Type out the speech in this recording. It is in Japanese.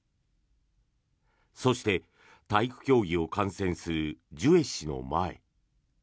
そして、体育競技を観戦するジュエ氏の前。